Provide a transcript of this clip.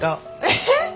えっ？